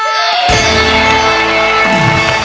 ค่ะ